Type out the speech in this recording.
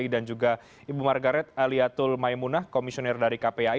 dan juga ibu margaret aliatul maimunah komisioner dari kpi